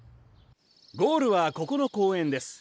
ゴールはここの公園です。